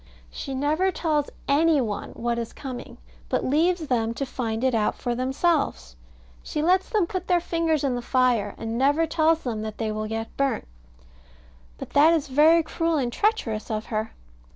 She never tells any one what is coming, but leaves them to find it out for themselves. She lets them put their fingers in the fire, and never tells them that they will get burnt. But that is very cruel and treacherous of her.